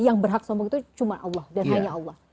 yang berhak sombong itu cuma allah dan hanya allah